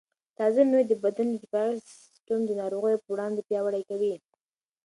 تازه مېوې د بدن دفاعي سیسټم د ناروغیو پر وړاندې پیاوړی کوي.